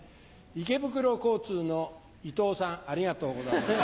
池袋交通のイトウさんありがとうございます。